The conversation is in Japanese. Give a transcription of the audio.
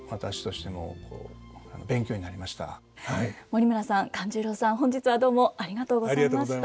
森村さん勘十郎さん本日はどうもありがとうございました。